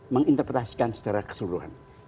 menginterpretasikan secara keseluruhan